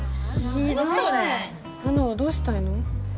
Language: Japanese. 何それハナはどうしたいの？